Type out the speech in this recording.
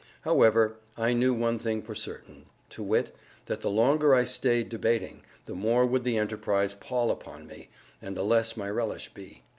However, I knew one thing for certain, to wit, that the longer I stayed debating, the more would the enterprise pall upon me, and the less my relish be.